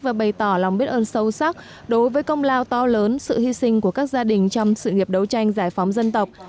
và bày tỏ lòng biết ơn sâu sắc đối với công lao to lớn sự hy sinh của các gia đình trong sự nghiệp đấu tranh giải phóng dân tộc